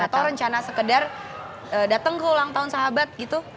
atau rencana sekedar datang ke ulang tahun sahabat gitu